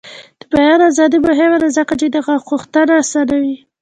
د بیان ازادي مهمه ده ځکه چې د حق غوښتنه اسانوي.